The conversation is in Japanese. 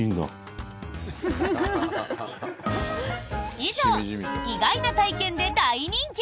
以上、意外な体験で大人気！